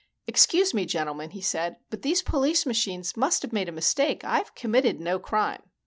"Excuse me, gentlemen," he said, "but these police machines must have made a mistake. I've committed no crime."